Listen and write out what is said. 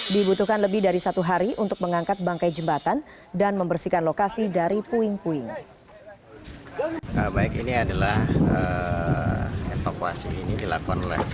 dibutuhkan lebih dari satu hari untuk mengangkat bangkai jembatan dan membersihkan lokasi dari puing puing